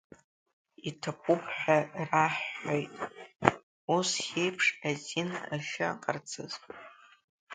Иҭабуп ҳәа раҳҳәоит ус еиԥш азин ахьыҟарҵаз.